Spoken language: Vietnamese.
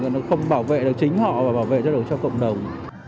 nó không bảo vệ được chính họ và bảo vệ cho được cho cộng đồng